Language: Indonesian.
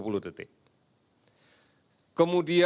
apabila harus dihadapan pada pilihan keluarga